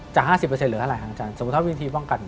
จะ๕๐เหลืออะไรอาจารย์สมมติวิธีป้องกัน